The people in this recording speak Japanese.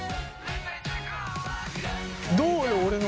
どうよ俺の。